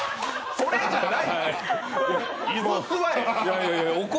それじゃないって！